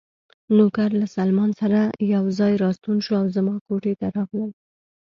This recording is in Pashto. نوکر له سلمان سره یو ځای راستون شو او زما کوټې ته راغلل.